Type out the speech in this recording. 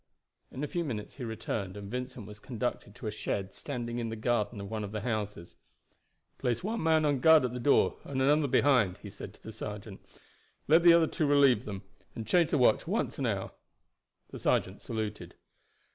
In a few minutes he returned, and Vincent was conducted to a shed standing in the garden of one of the houses. "Place one man on guard at the door and another behind," he said to the sergeant. "Let the other two relieve them, and change the watch once an hour." The sergeant saluted.